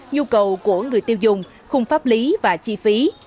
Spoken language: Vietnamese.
nhu cầu của người tiêu dùng khung pháp lý và chi phí